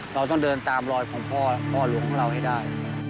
เราต้องเดินตามรอยของพ่อไลวะเราให้ได้